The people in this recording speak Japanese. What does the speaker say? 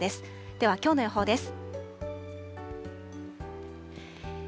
では、きょうの予報です。